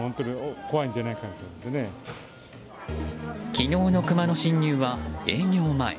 昨日のクマの侵入は営業前。